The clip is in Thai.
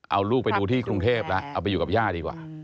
เอาลูกไปดูที่กรุงเทพแล้วเอาไปอยู่กับย่าดีกว่า